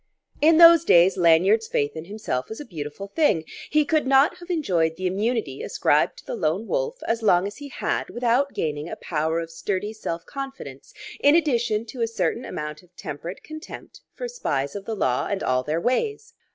In those days Lanyard's faith in himself was a beautiful thing. He could not have enjoyed the immunity ascribed to the Lone Wolf as long as he had without gaining a power of sturdy self confidence in addition to a certain amount of temperate contempt for spies of the law and all their ways.